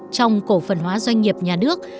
trong cổ phân hóa doanh nghiệp nhà nước